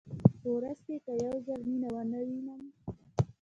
په ورځ کې که یو ځل مینه ونه وینم.